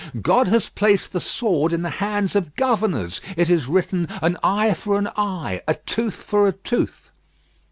God has placed the sword in the hands of governors. It is written, 'An eye for an eye, a tooth for a tooth.'"